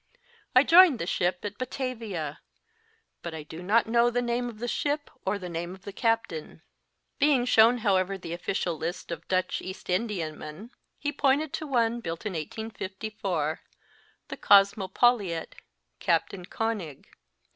I joined the ship at Batavia, but I do not know t/ie name of tJie ship or the name of the captain! Being shown, however, the official list of Dutch East Indiamen, he pointed to one built in 1854, the Kosmopoliet/ Captain Konig.